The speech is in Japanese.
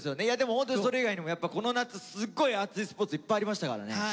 ホントにそれ以外にもこの夏すっごい熱いスポーツいっぱいありましたからね。